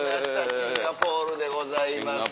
シンガポールでございます。